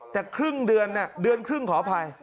แต่ครึ่งเดือนเดือนครึ่งขออภัย